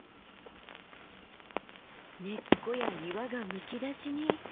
根っこや岩がむき出しに。